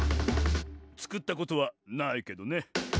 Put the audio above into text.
「つくったことはないけどね」